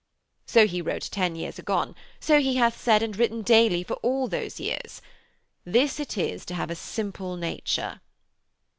So he wrote ten years agone; so he hath said and written daily for all those years. This it is to have a simple nature....'